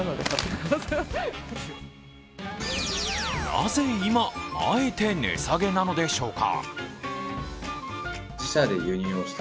なぜ今、あえて値下げなのでしょうか。